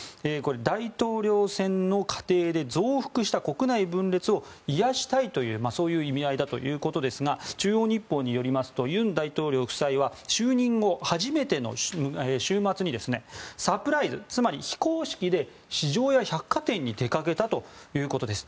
大統領選の過程で増幅した国内分裂を癒やしたいという意味合いだと思うんですが中央日報によりますと尹大統領夫妻は就任後初めての週末にサプライズつまり非公式で市場や百貨店に出かけたということです。